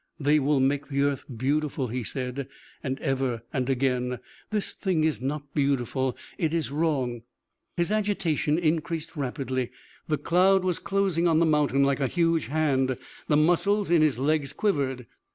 "They will make the earth beautiful," he said, and ever and again: "This thing is not beautiful. It is wrong." His agitation increased rapidly. The cloud was closing on the mountain like a huge hand. The muscles in his legs quivered.